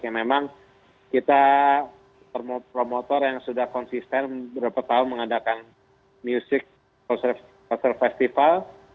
ya memang kita promotor yang sudah konsisten beberapa tahun mengadakan musik konser festival